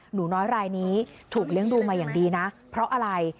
หนูน้อยรายนี้ถูกเลี้ยงดูมาอย่างดีนะเพราะอะไร